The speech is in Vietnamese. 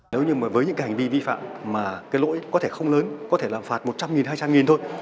nếu như mà với những cái hành vi vi phạm mà cái lỗi có thể không lớn có thể làm phạt một trăm linh hai trăm linh thôi